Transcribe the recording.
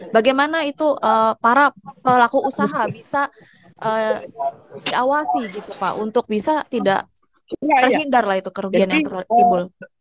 bagaimana itu para pelaku usaha bisa diawasi gitu pak untuk bisa tidak terhindar lah itu kerugian yang tertimbul